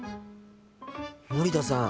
森田さん